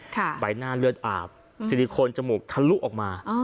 ใบหน้าเลือดอาบซิลิโคนจมูกทะลุออกมา